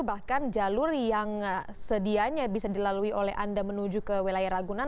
bahkan jalur yang sedianya bisa dilalui oleh anda menuju ke wilayah ragunan